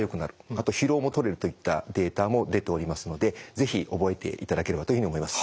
あと疲労もとれるといったデータも出ておりますので是非覚えていただければというふうに思います。